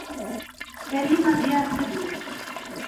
کريمه بيا څه دي.